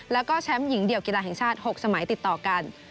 แล้วก็แชมป์หญิงเดี่ยวกีฬาแห่งชาติ๖สมัยติดต่อกัน